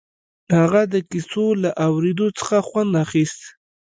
هغه د کيسو له اورېدو څخه خوند اخيست.